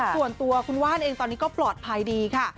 ส่วนตัวคุณว่านเองตอนนี้ก็ปลอดภัยดีค่ะ